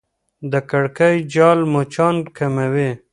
د کړکۍ جال مچان کموي.